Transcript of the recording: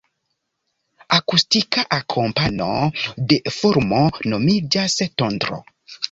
Akustika akompano de fulmo nomiĝas tondro.